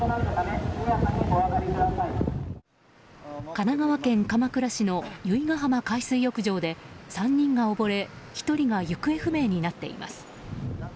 神奈川県鎌倉市の由比ガ浜海水浴場で３人が溺れ１人が行方不明になっています。